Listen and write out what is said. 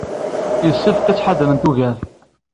Yessefk ad ttḥadarent ugar.